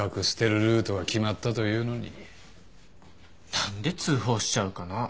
何で通報しちゃうかなぁ？